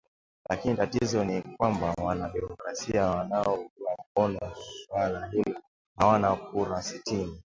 lakini tatizo ni kwamba wana demokrasia wanaounga mkono suala hilo hawana kura sitini